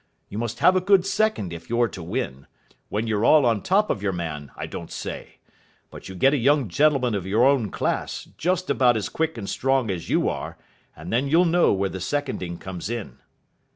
You must have a good second if you're to win. When you're all on top of your man, I don't say. But you get a young gentleman of your own class, just about as quick and strong as you are, and then you'll know where the seconding comes in."